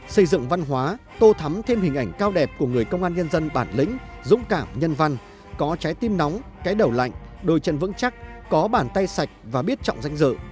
xây dựng văn hóa tô thắm thêm hình ảnh cao đẹp của người công an nhân dân bản lĩnh dũng cảm nhân văn có trái tim nóng cái đầu lạnh đôi chân vững chắc có bàn tay sạch và biết trọng danh dự